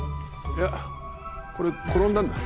いやこれ転んだんだ。